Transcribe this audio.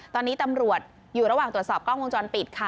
ตอนนี้ตำรวจอยู่ระหว่างตรวจสอบกล้องวงจรปิดค่ะ